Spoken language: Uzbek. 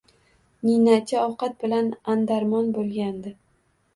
Ninachi ovqat bilan andarmon bo’lgandi.